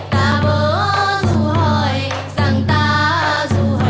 đã bước sang tuổi thất thập